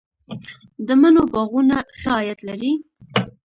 د مڼو باغونه ښه عاید لري؟